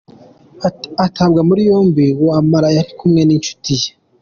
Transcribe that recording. Atabwa muri yombi, Wamala yari kumwe n’inshuti ye.